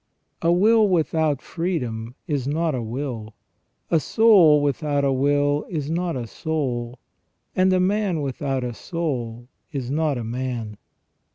A will without freedom is not a will, a soul without a will is not a soul, and a man without a soul is not a man.